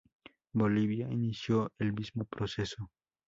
Bolivia inició el mismo proceso.